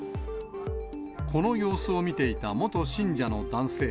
この様子を見ていた元信者の男性。